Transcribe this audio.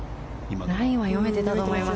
ラインは読めていたと思います。